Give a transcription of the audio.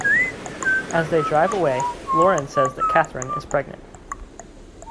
As they drive away, Loren says that Katherine is pregnant.